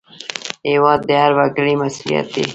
هېواد د هر وګړي مسوولیت دی